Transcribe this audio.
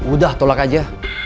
udah tolak aja